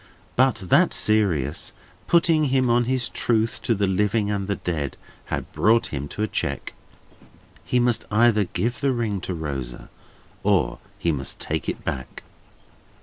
But that serious putting him on his truth to the living and the dead had brought him to a check. He must either give the ring to Rosa, or he must take it back.